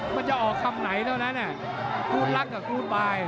มันจะออกคำไหนเท่านั้นอ่ะกู๊ดลักษณ์กับกู๊ดบาย